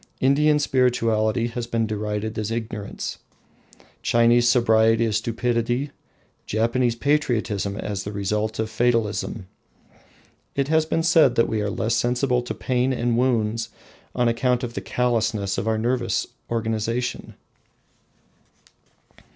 Indian spirituality has been derided as ignorance, Chinese sobriety as stupidity, Japanese patriotism as the result of fatalism. It has been said that we are less sensible to pain and wounds on account of the callousness of our nervous organisation!